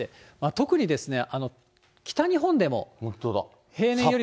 特に北日本でも平年よりも。